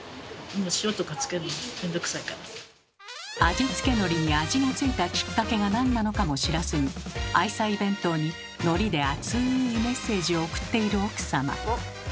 味付けのりに味が付いたきっかけがなんなのかも知らずに愛妻弁当にのりでアツいメッセージを送っている奥様。